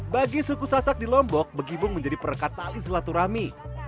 bagi suku sasak di lombok begibung menjadi perekat tali silaturahmi